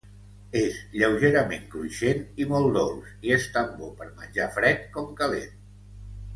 És lleugerament cruixent i molt dolç i és tan bo per menjar fred com calent.